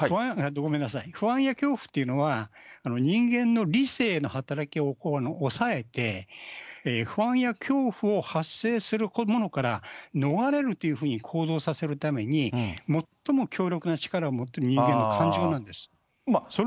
不安や恐怖っていうのは、人間の理性の働きを抑えて、不安や恐怖を発生するものから逃れるというふうに行動させるために、最も強力な力を持つ人間の感情なんです。